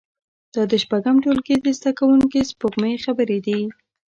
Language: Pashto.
دا د شپږم ټولګي د زده کوونکې سپوږمۍ خبرې دي